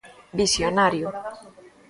Visionario.